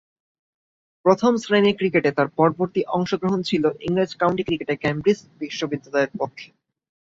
প্রথম-শ্রেণীর ক্রিকেটে তার পরবর্তী অংশগ্রহণ ছিল ইংরেজ কাউন্টি ক্রিকেটে ক্যামব্রিজ বিশ্ববিদ্যালয়ের পক্ষে।